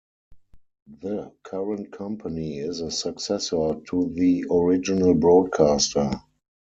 The current company is a successor to the original broadcaster.